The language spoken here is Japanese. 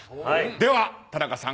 では、田中さん